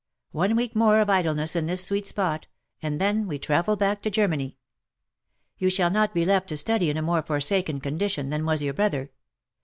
One week more of idleness in this sweet spot — and then we travel back to Germany. You shall not be left to study in a more forsaken condition than was your brother.